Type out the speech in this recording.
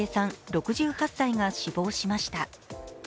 ６８歳が死亡しました。